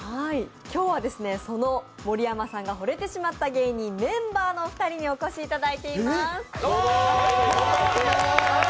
今日はその盛山さんが惚れてしまった芸人の２人、メンバーの２人にお越しいただいています。